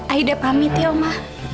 aida pamit ya oma